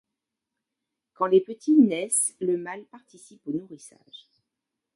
Quand les petits naissent le mâle participe au nourrissage.